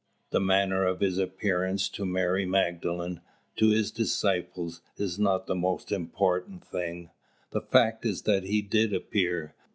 The manner of His appearance, to Mary Magdalene, to His disciples, is not the most important thing. The fact is that He did appear.